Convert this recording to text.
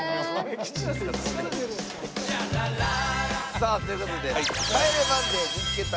さあという事で『帰れマンデー見っけ隊！！』